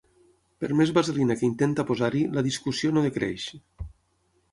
Per més vaselina que intenta posar-hi, la discussió no decreix.